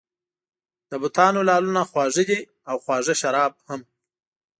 د بتانو لعلونه خوږ دي او خوږ شراب هم.